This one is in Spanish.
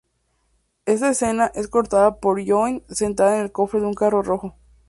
Esta escena es cortada por Lloyd sentada en el cofre de un carro rojo.